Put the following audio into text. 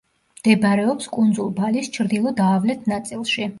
მდებარეობს კუნძულ ბალის ჩრდილო–დაავლეთ ნაწილში.